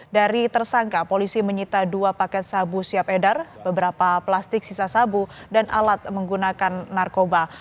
dari tersangka polisi menyita dua paket sabu siap edar beberapa plastik sisa sabu dan alat menggunakan narkoba